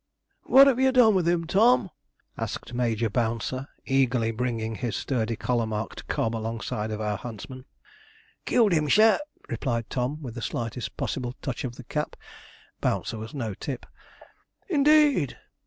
'What have you done with him, Tom?' asked Major Bouncer, eagerly bringing his sturdy collar marked cob alongside of our huntsman. 'Killed him, sir,' replied Tom, with the slightest possible touch of the cap. (Bouncer was no tip.) 'Indeed!'